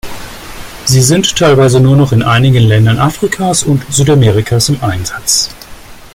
Sie sind teilweise noch in einigen Ländern Afrikas und Südamerikas im Einsatz.